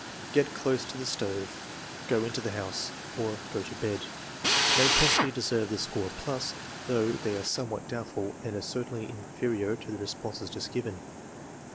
"Get close to the stove." "Go into the house," or, "Go to bed," may possibly deserve the score plus, though they are somewhat doubtful and are certainly inferior to the responses just given.